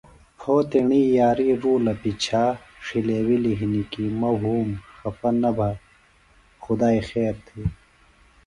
پھو تیݨی یاری رُولہ پِچھا تس ݜلیوِلیۡ ہنیۡ کیۡ مہ وُھوم خفہ نہ بھہ خدائیۡ خیر تھی